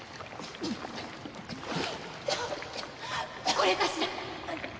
これかしら？